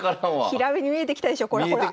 ひらめに見えてきたでしょほら！